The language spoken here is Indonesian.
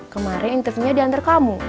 kemarin interviewnya diantar kamu